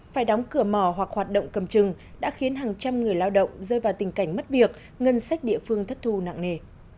phải đóng cửa mỏ hoặc hoạt động cầm chừng đã khiến hàng trăm người lao động rơi vào tình cảnh mất việc ngân sách địa phương thất thu nặng nề